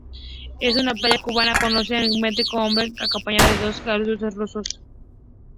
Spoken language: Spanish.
En una playa cubana conoce a un enigmático hombre acompañado de dos galgos rusos.